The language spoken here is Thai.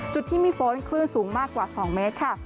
จุดที่มีฝนคลื่นสูงมากกว่า๒เมตรค่ะ